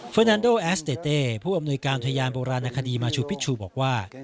เฟอร์นันโดแอสเตเตผู้อำนวยการอุทยานโบราณนักคดีมาชูปิชชูบอกว่า